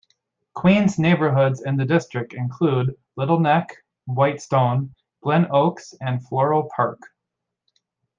Queens neighborhoods in the district include Little Neck, Whitestone, Glen Oaks, and Floral Park.